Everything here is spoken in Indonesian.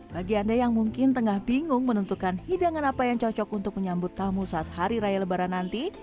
bagi anda yang mungkin tengah bingung menentukan hidangan apa yang cocok untuk menyambut tamu saat hari raya lebaran nanti